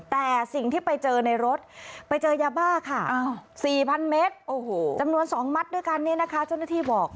แต่สิ่งที่ไปเจอในรถไปเจอยาบ้าค่ะ๔๐๐เมตรจำนวน๒มัดด้วยกันเนี่ยนะคะเจ้าหน้าที่บอก